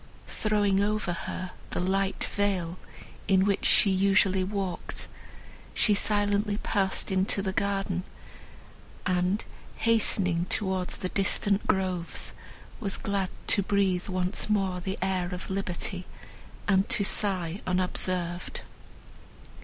Throwing over her the light veil, in which she usually walked, she silently passed into the garden, and, hastening towards the distant groves, was glad to breathe once more the air of liberty, and to sigh unobserved.